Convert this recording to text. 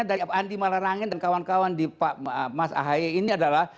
tidak ada yang bisa dianggap andi malarangin dan kawan kawan di pak mas ahaye ini adalah